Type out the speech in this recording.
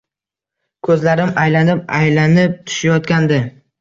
Ko’zlarim aylanib-aylanib tushayotgandi